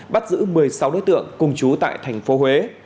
bắt giữ một mươi sáu đối tượng cùng chú tại thành phố huế